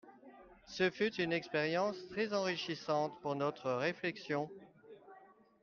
Ce fut une expérience très enrichissante pour notre réflexion.